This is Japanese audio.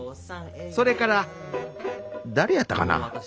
それから誰やったかな？